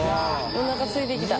おなかすいてきた。